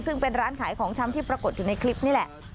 ซึ่งเป็นร้านขายของชำที่ปรากฏอยู่ในคลิปนี่แหละ